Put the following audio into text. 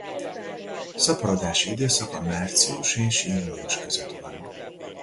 Szaporodási időszaka március és június között van.